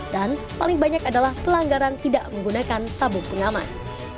dan paling banyak adalah pelanggaran tidak menggunakan sabuk pengaman